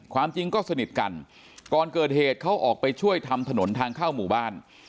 ความจริงก็สนิทกันก่อนเกิดเหตุเขาออกไปช่วยทำถนนทางเข้าหมู่บ้าน